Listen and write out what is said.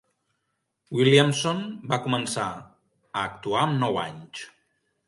Williamson va començar a actuar amb nou anys.